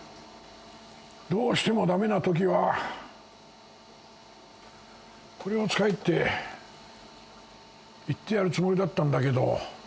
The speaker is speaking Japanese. どうしても駄目なときはこれを使えって言ってやるつもりだったんだけど。